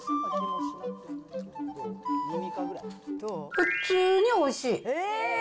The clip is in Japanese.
普通においしい。